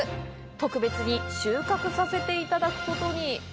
特別に収穫させていただくことに。